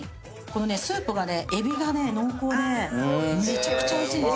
スープがねエビがね濃厚でめちゃくちゃおいしいんですよ。